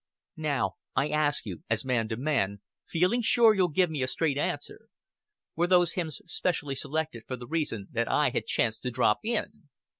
Now I ask you as man to man, feeling sure you'll give me a straight answer: Were those hymns specially selected for the reason that I had chanced to drop in?"